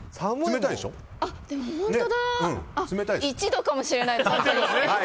１度かもしれないですね。